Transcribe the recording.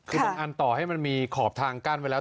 คือมันอันต่อให้มีขอบทางกั้นไปแล้ว